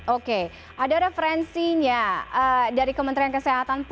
oke ada referensinya dari kementerian kesehatan